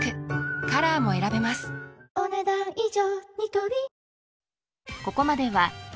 カラーも選べますお、ねだん以上。